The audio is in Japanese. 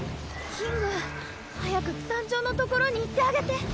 キング早く団長のところに行ってあげて。